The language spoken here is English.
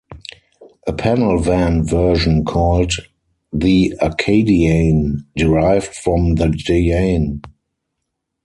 A panel van version called the Acadiane derived from the Dyane.